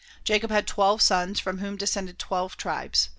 Jacob had twelve sons from whom descended twelve tribes.